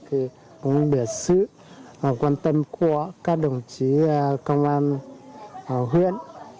thì cũng được sự quan tâm của các đồng chí công an huyện